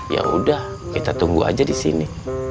yaudah kita tunggu aja disini